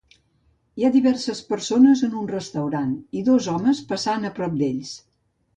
Hi ha diverses persones en un restaurant i dos homes passant a prop d'elles